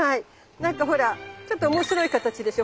なんかほらちょっと面白い形でしょ。